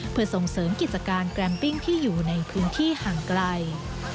เพื่อส่งเสริมกิจการแกรมปิ้งที่อยู่ในพื้นที่ห่างไกล